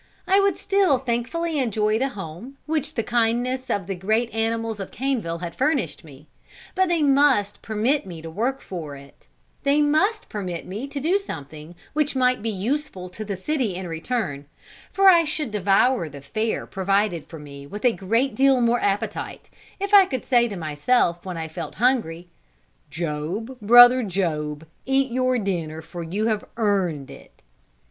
I would still thankfully enjoy the home, which the kindness of the great animals of Caneville had furnished me, but they must permit me to work for it they must permit me to do something which might be useful to the city in return, for I should devour the fare provided for me with a great deal more appetite, if I could say to myself when I felt hungry, "Job, brother Job, eat your dinner, for you have earned it."